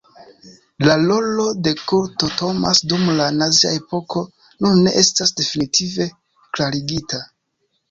La rolo de Kurt Thomas dum la nazia epoko nun ne estas definitive klarigita.